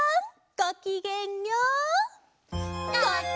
ごきげんよう！